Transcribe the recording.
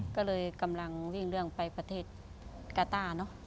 ก็เลยกำลังวิ่งเรื่องไปประเทศกาต้าเนอะ